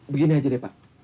begini aja deh pak